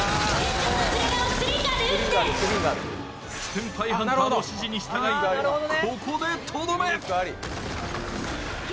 先輩ハンターの指示に従いここでとどめ。